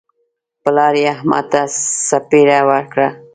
پلار یې احمد ته څپېړه ورکړه.